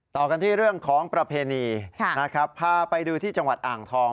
ต่อกันที่เรื่องของประเพณีนะครับพาไปดูที่จังหวัดอ่างทอง